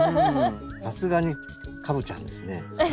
さすがにカブちゃんですね。